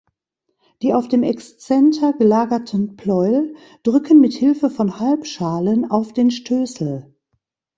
Die auf dem Exzenter gelagerten Pleuel drücken mit Hilfe von Halbschalen auf den Stößel.